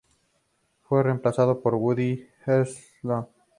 Fue reemplazado por Woody Harrelson.